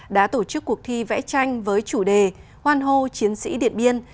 đã tổ chức cuộc thi vẽ tranh với chủ đề hoan hô chiến sĩ điện biên